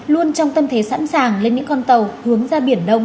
luôn trong tâm thế sẵn sàng lên những con tàu hướng ra biển đông